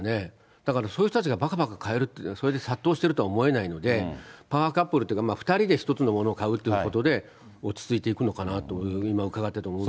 だからそういう人たちがばかばか買えるって、それで殺到してるとは思えないので、パワーカップルというか、２人で１つのものを買うということで、落ち着いていくのかなと、今伺ってて思います